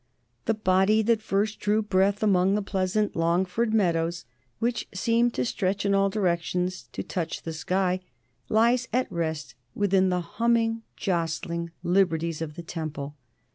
The body that first drew breath among the pleasant Longford meadows, which seem to stretch in all directions to touch the sky, lies at rest within the humming, jostling, liberties of the Temple.